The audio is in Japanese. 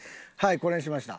これにしました。